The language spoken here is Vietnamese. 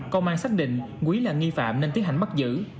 công an xác định quý là nghi phạm nên tiến hành bắt giữ